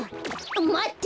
まって！